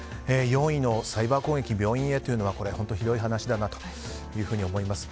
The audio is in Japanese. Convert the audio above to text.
４位のサイバー攻撃病院へというのは本当ひどい話だなと思います。